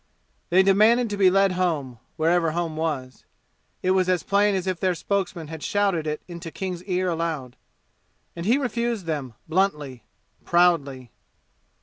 They demanded to be led home, wherever home was. (It was as plain as if their spokesman had shouted it into King's ear aloud.) And he refused them bluntly, proudly.